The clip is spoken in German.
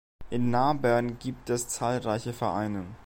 In Nabern gibt es zahlreiche Vereine.